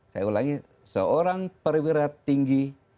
saya ulangi seorang perwira tinggi